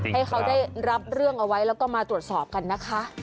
ให้เขาได้รับเรื่องเอาไว้แล้วก็มาตรวจสอบกันนะคะ